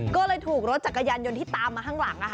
ก็เลยถูกรถจักรยานยนต์ที่ตามมาข้างหลัง